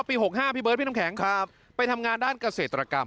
ปี๖๕พี่เบิร์ดพี่น้ำแข็งไปทำงานด้านเกษตรกรรม